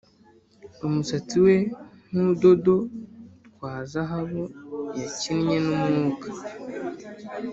umusatsi we nkudodo twa zahabu yakinnye numwuka